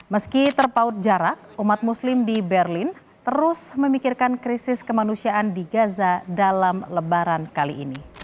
meski terpaut jarak umat muslim di berlin terus memikirkan krisis kemanusiaan di gaza dalam lebaran kali ini